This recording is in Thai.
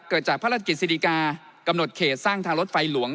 เกิดจากพระราชกฤษศิริกากำหนดเขตสร้างทางรถไฟหลวง